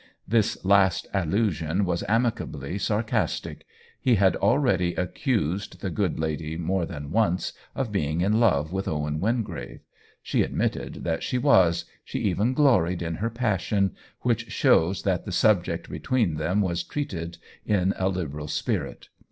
This last allusion was amicably sarcastic ; he had already accused the good lady more than once of being in love with Owen Wingrave. She admitted that she was, she even gloried in her passion ; which shows that the subject, between them, was treated in a liberal spirit.